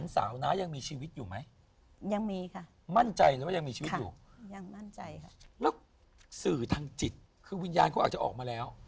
สื่อทางจิตคือวิญญาณเขาอาจจะออกมาแล้ว